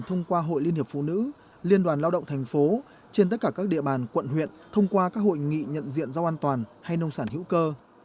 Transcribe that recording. thông qua hội liên hiệp phụ nữ liên đoàn lao động thành phố trên tất cả các địa bàn quận huyện thông qua các hội nghị nhận diện rau an toàn hay nông sản hữu cơ